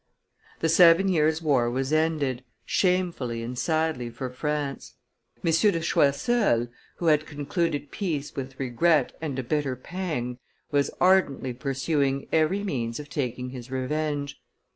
The Seven Years' War was ended, shamefully and sadly for France; M. de Choiseul, who had concluded peace with regret and a bitter pang, was ardently pursuing every means of taking his revenge.